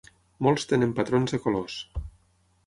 Molts tenen patrons de colors.